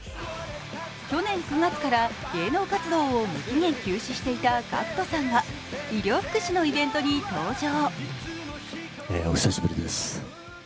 去年９月から芸能活動を無期限休止していたＧＡＣＫＴさんが医療福祉のイベントに登場。